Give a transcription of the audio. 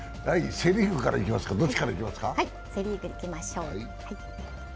セ・リーグいきましょう。